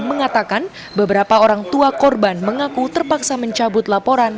mengatakan beberapa orang tua korban mengaku terpaksa mencabut laporan